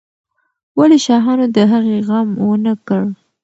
ولې شاهانو د هغې غم ونه کړ؟